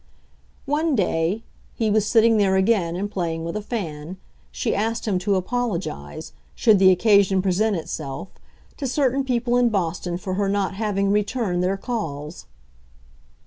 One day (he was sitting there again and playing with a fan) she asked him to apologize, should the occasion present itself, to certain people in Boston for her not having returned their calls.